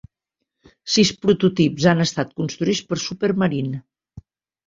Sis prototips han estat construïts per Supermarine.